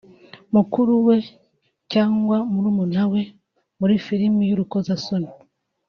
mukuru we cyangwa murumuna we muri filime z’urukozasoni